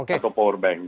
atau power bank